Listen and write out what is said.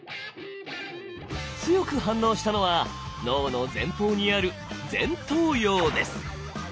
強く反応したのは脳の前方にある前頭葉です。